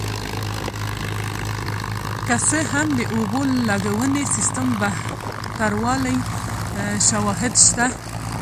که څه هم د اوبو لګونې سیستم بهتروالی شواهد شته